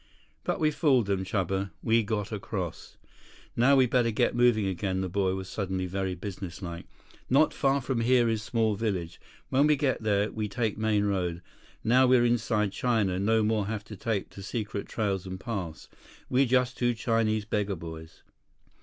"But we fooled them, Chuba. We got across." "Now we better get moving again," the boy was suddenly very businesslike. "Not far from here is small village. When we get there, we take main road. Now we're inside China, no more have to take to secret trails and paths. We just two Chinese beggar boys."